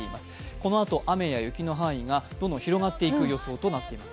このあと雨や雪の範囲がどんどん広がっていく予報となります。